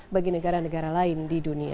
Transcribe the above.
bagi negara negara lain di dunia